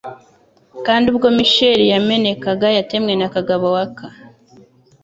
Kandi ubwo Mitchell yamenekaga yatemwe na Kagabo Walker